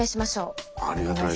ありがたい。